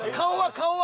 顔は？